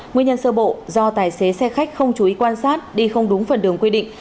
nguyên nhân sơ bộ do tài xế xe khách không chú ý quan sát đi không đúng phần đường quy định